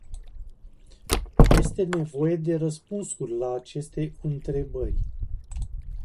Este nevoie de răspunsuri la aceste întrebări.